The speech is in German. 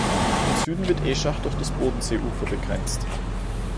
Im Süden wird Aeschach durch das Bodenseeufer begrenzt.